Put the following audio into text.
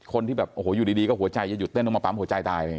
คนที่อยู่ดีก็หัวใจจะหยุดเต้นลงมาปั๊มหัวใจตาย